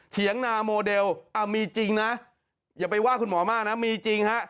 เถียงนาโมเดลมีจริงนะอย่าไปว่าคุณหมอมากนะมีจริงฮะ